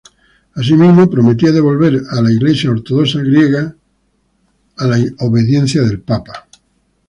Asimismo, prometía devolver la Iglesia ortodoxa griega a la obediencia del Papa.